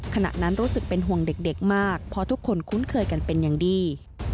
ขณะนั้นรู้สึกเป็นห่วงเด็กมากเพราะทุกคนคุ้นเคยกันเป็นอย่างดี